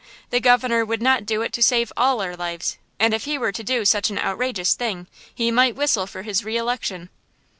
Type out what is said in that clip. the Governor would not do it to save all our lives, and if he were to do such an outrageous thing he might whistle for his reelection!"